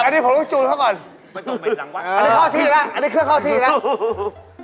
ไม่ต้องเป็นหลังวันอันนี้เข้าที่แล้วอันนี้เครื่องเข้าที่แล้ว